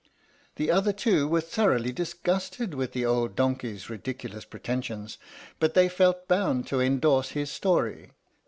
The other two were thoroughly disgusted with the old donkey's ridiculous pretensions, but they felt bound to endorse his story.